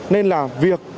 nên là việc